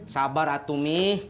sabar atu mi